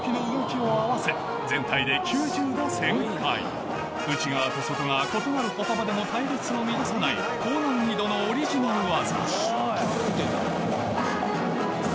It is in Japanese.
まずは内側と外側異なる歩幅でも隊列を乱さない高難易度のオリジナル技